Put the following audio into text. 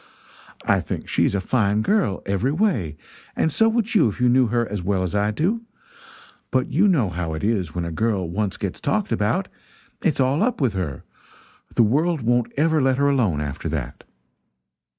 I think she is a fine girl every way, and so would you if you knew her as well as I do; but you know how it is when a girl once gets talked about it's all up with her the world won't ever let her alone, after that."